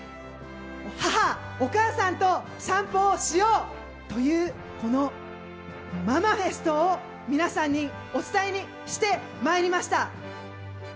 母、お母さんと散歩をしようというこのママフェストを皆さんにお伝えに参りました。